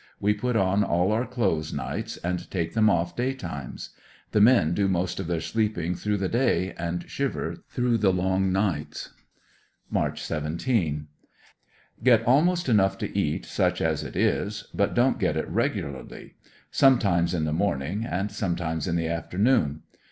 We put on all our clothes nights and take them off day times. The men do most of their sleeping through the day, and shiver throuiih the Ion ? nights March 17, — Get almost enough to eat, such as it is, but don't get it regularly; sometimes in the morning, and sometimes in the afternoon.